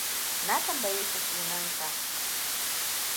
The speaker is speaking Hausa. Na tambaye shi sunan sa.